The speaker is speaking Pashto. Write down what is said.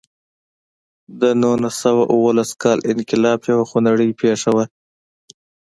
د نولس سوه اوولس کال انقلاب یوه خونړۍ پېښه وه.